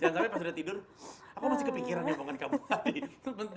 jangan sampai pas udah tidur aku masih kepikiran nyokongan kamu tadi